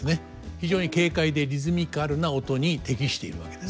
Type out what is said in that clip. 非常に軽快でリズミカルな音に適しているわけです。